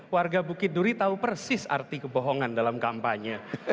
warga bukit duri tahu persis arti kebohongan dalam kampanye